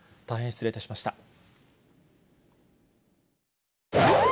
大変失礼しました。